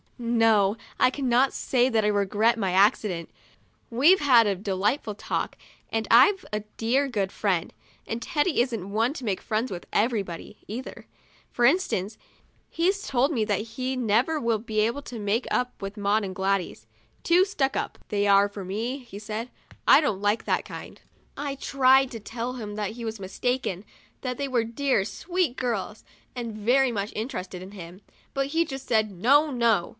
No, I cannot say that I regret my accident. We've had a delightful talk and I've a dear good friend. And Teddy isn't one to make friends with everybody, either. For instance, he's told me that he never will be able to make up with Maud and Gladys. " Too stuck up, 77 THE DIARY OF A BIRTHDAY DOLL they are, for me," he said. " I don't like that kind. I tried to tell him that he was mistaken, that they were dear, sweet girls, and very much interested in him; but he just said, " No, no!"